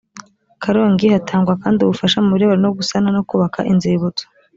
karongi hatangwa kandi ubufasha mu birebana no gusana no kubaka inzibutso